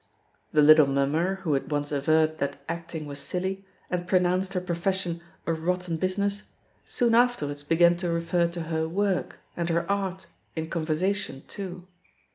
The little mummer who had once averred that "acting was silly," and pronounced her profes sion "a rotten business," soon afterwards began to refer to her "work" and her "art" in conver sation too.